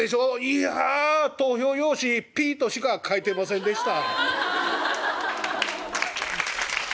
「いや投票用紙ぴとしか書いてませんでした」。